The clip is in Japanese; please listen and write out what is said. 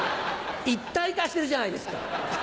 一体化してるじゃないですか。